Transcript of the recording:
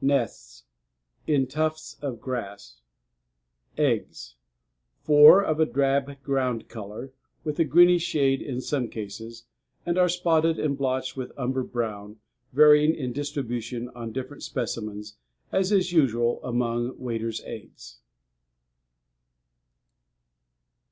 NESTS In tufts of grass. EGGS Four, of a drab ground color, with a greenish shade in some cases, and are spotted and blotched with umber brown, varying in distribution on different specimens, as is usual among waders' eggs.